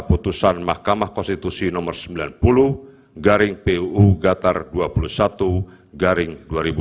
putusan mahkamah konstitusi nomor sembilan puluh garing puu gatar dua puluh satu garing dua ribu dua puluh